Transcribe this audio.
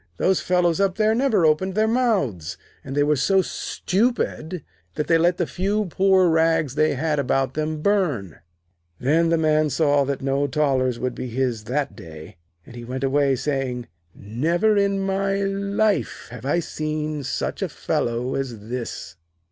Those fellows up there never opened their mouths, and they were so stupid that they let the few poor rags they had about them burn.' Then the Man saw that no thalers would be his that day, and he went away, saying: 'Never in my life have I seen such a fellow as this.'